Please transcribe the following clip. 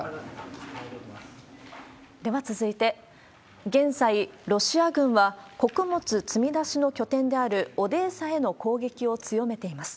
では続いて、現在、ロシア軍は穀物積み出しの拠点であるオデーサへの攻撃を強めています。